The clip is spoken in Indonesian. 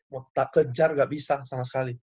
mau kejar ga bisa sama sekali